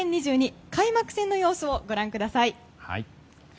開幕戦の様子をご覧ください。